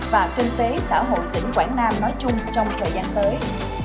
và kinh tế xã hội tỉnh quảng nam nói chung trong thời gian tới